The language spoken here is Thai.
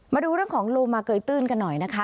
มาดูเรื่องของโลมาเกยตื้นกันหน่อยนะคะ